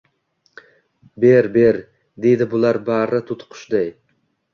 «Ber-ber!» deydi bular bari toʼtiqushday